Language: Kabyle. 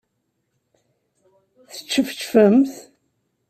Teččefčfemt?